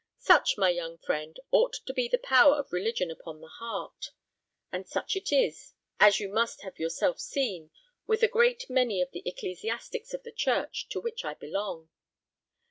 Such, my young friend, ought to be the power of religion upon the heart; and such it is, as you must have yourself seen, with a great many of the ecclesiastics of the church to which I belong.